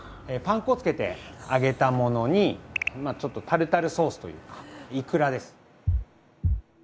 パン粉を付けて揚げたものにまあちょっとタルタルソースというかイクラです。